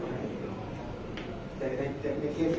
แต่ว่าไม่มีปรากฏว่าถ้าเกิดคนให้ยาที่๓๑